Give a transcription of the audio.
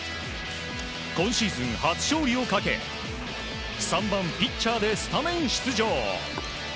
今シーズン初勝利をかけ３番ピッチャーでスタメン出場。